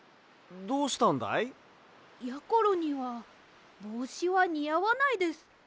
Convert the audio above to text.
どうしたんだい？やころにはぼうしはにあわないです。